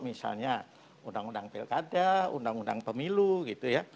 misalnya undang undang pilkada undang undang pemilu gitu ya